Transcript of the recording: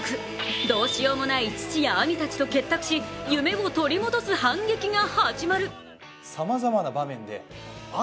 どうしようもない父や兄たちと結託し夢を取り戻す反撃が始まる。